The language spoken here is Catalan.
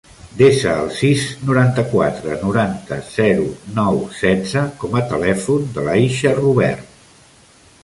Desa el sis, noranta-quatre, noranta, zero, nou, setze com a telèfon de l'Aixa Rubert.